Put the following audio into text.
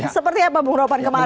seperti apa bung ropan kemarin